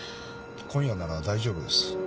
今夜なら大丈夫です。